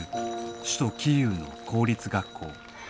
首都キーウの公立学校。